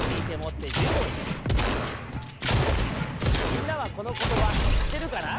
みんなはこのことばしってるかな？